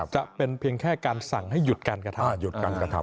จะเป็นเพียงแค่การสั่งให้หยุดการกระทำ